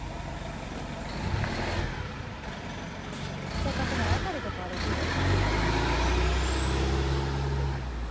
せっかくなら明るいとこ歩きーよ。